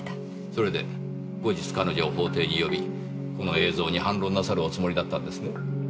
それで後日彼女を法廷に呼びこの映像に反論なさるおつもりだったんですね？